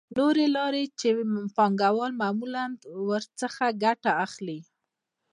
نورې لارې چې پانګوال معمولاً ورڅخه ګټه اخلي